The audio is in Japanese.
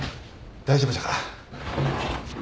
大丈夫じゃから。